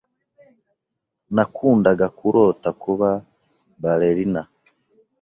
Nakundaga kurota kuba ballerina.